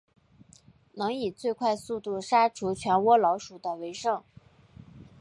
能以最快速度杀除全窝老鼠的为胜。